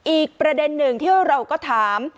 อีกประเด็นหนึ่งที่เราก็ถาม